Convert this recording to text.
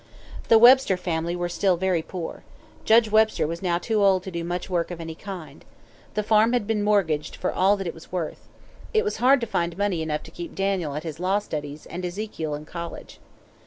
The Webster family were still very poor. Judge Webster was now too old to do much work of any kind. The farm had been mortgaged for all that it was worth. It was hard to find money enough to keep Daniel at his law studies and Ezekiel in college.